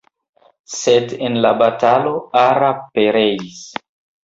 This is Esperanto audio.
Sed en la batalo Ara pereis.